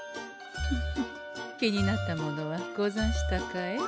フフッ気になったものはござんしたかえ？